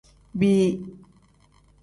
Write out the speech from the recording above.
Bii.